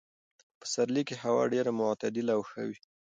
په پسرلي کې هوا ډېره معتدله او ښه وي.